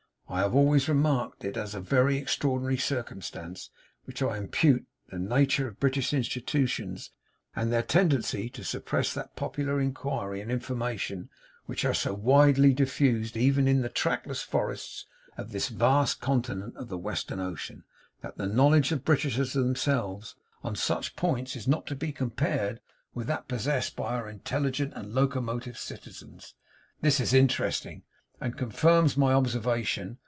'I have always remarked it as a very extraordinary circumstance, which I impute to the natur' of British Institutions and their tendency to suppress that popular inquiry and information which air so widely diffused even in the trackless forests of this vast Continent of the Western Ocean; that the knowledge of Britishers themselves on such points is not to be compared with that possessed by our intelligent and locomotive citizens. This is interesting, and confirms my observation.